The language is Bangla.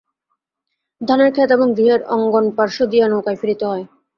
ধানের খেত এবং গৃহের অঙ্গনপার্শ্ব দিয়া নৌকায় ফিরিতে হয়।